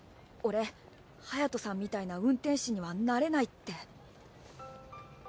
俺ハヤトさんみたいな運転士にはなれないって。